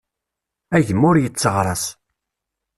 A gma ur yetteɣras.